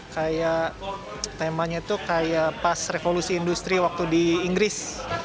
kayak temanya tuh kayak pas revolusi industri waktu di inggris